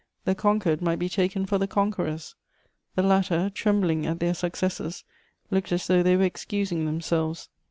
The conquered might be taken for the conquerors; the latter, trembling at their successes, looked as though they were excusing themselves.